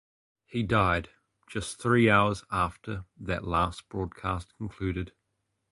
He died just three hours after that last broadcast concluded.